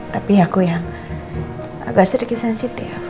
tapi aku ya agak sedikit sensitif